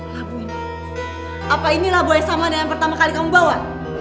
lalu apa ini labu yang sama dengan yang pertama kali kamu bawa